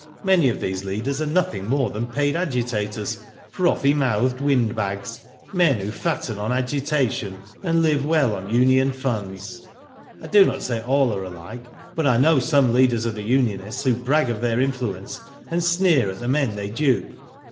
Many of these leaders are nothing more than paid agitators, frothy mouthed Digitized byGoogk THE ARTIST, 59 windbags, men who fatten on agitation, and live well on union funds. I do not say all are alike, but I know some leaders of the unionists who brag of their influence, and sneer at the men they dupe."